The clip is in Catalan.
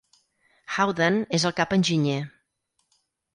Howden és el cap enginyer.